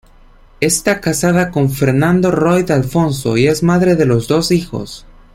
Esta casada con Fernando Roig Alfonso y es madre de dos hijos.